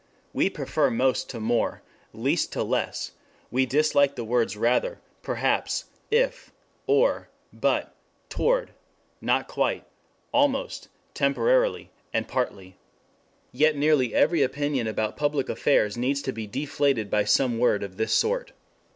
We prefer most to more, least to less, we dislike the words rather, perhaps, if, or, but, toward, not quite, almost, temporarily, partly. Yet nearly every opinion about public affairs needs to be deflated by some word of this sort.